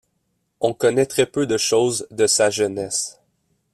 On connaît très peu de choses de sa jeunesse.